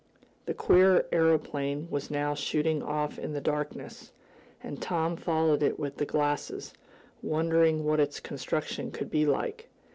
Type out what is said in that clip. The queer aeroplane was now shooting off in the darkness and Tom followed it with the glasses, wondering what its construction could be like.